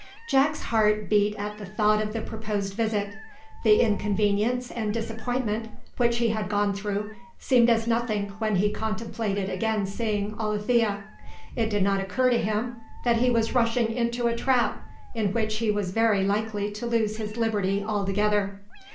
Jack's heart beat at the thought of the proposed visit. The inconvenience and disappointment which he had gone through, seemed as nothing when he contemplated again seeing Alethea. It did not occur to him that he was rushing into a trap in which he was very likely to lose his liberty altogether.